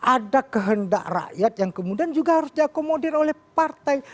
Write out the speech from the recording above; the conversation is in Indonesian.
ada kehendak rakyat yang kemudian juga harus diakomodir oleh partai